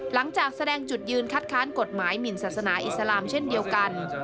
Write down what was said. หลังจากแสดงจุดยืนคัดค้านกฎหมายหมินศาสนาอิสลามเช่นเดียวกัน